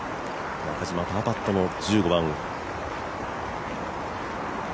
中島、パーパットの１５番。